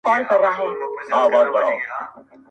• دوی پښتون غزل منلی په جهان دی,